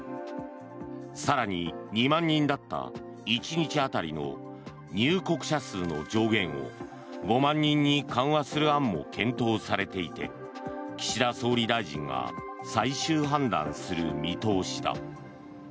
更に２万人だった１日当たりの入国者数の上限を５万人に緩和する案も検討されていて岸田総理大臣が最終判断する見通しだ。